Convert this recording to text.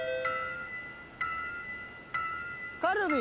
カルビ。